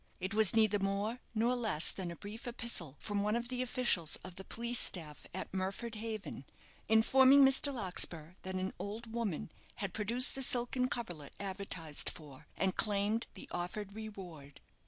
It was neither more nor less than a brief epistle from one of the officials of the police staff at Murford Haven, informing Mr. Larkspur that an old woman had produced the silken coverlet advertised for, and claimed the offered reward.